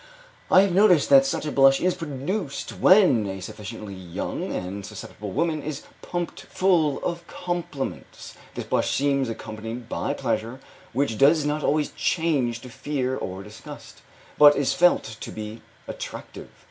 I have noticed that such a blush is produced when a sufficiently young and susceptible woman is pumped full of compliments. This blush seems accompanied by pleasure which does not always change to fear or disgust, but is felt to be attractive.